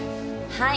はい。